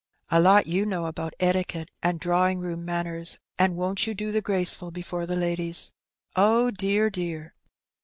A lot you know about etiquette and drawing room manners; and won^t you do the graceful before the ladies? Oh, dear, dear!